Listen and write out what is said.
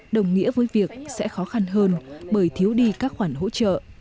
đồng nghĩa với việc sẽ khó khăn hơn bởi thiếu đi các khoản hỗ trợ